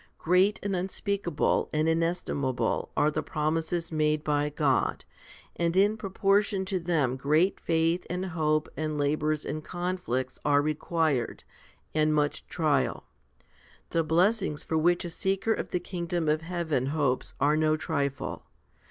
Great and unspeakable and inesti mable are the promises made by God; and in proportion to them great faith and hope and labours and conflicts are required, and much trial. The blessings for which a seeker of the kingdom of heaven hopes are no trifle.